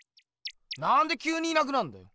なんできゅうにいなくなんだよ！